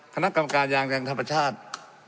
คณะกรรมการยางแรงธรรมชาติ